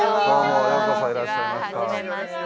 はじめまして。